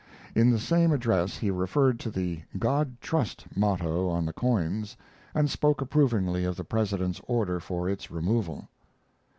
In the same address he referred to the "God Trust" motto on the coins, and spoke approvingly of the President's order for its removal.